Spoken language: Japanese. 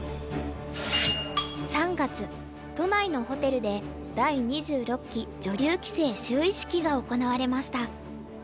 ３月都内のホテルで第２６期女流棋聖就位式が行われました。